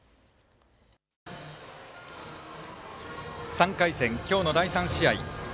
３回戦、今日の第３試合。